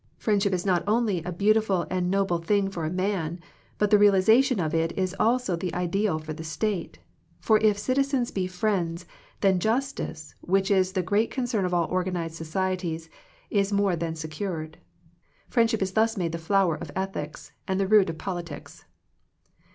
Friend ship is not only a beautiful and noble 15 Digitized by VjOOQIC THE MIRACLE OF FRIENDSHIP thing for a man, but the realization of it is also the ideal for the state; for if citi zens be friends, then justice, which is the great concern of all organized societies, is more than secured. Friendship is thus made the flower of Ethics, and the root of Politics.